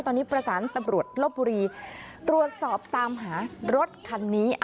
ตอนนี้ประสานตำรวจลบบุรีตรวจสอบตามหารถคันนี้